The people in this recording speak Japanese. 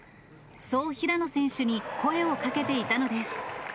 そう、平野選手に声をかけていたのです。